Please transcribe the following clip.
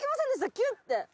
キュって。